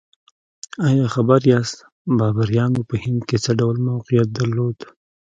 ایا خبر یاست بابریانو په هند کې څه ډول موقعیت درلود؟